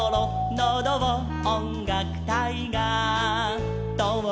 「のどをおんがくたいがとおります」